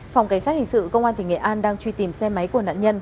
phòng cảnh sát hình sự công an tỉnh nghệ an đang truy tìm xe máy của nạn nhân